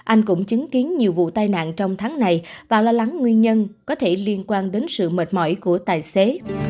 anh cũng chứng kiến nhiều vụ tai nạn trong tháng này và lo lắng nguyên nhân có thể liên quan đến sự mệt mỏi của tài xế